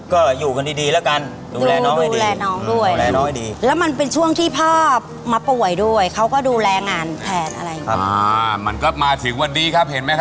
ครับฮืม